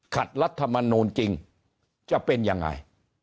รัฐมนูลจริงจะเป็นยังไง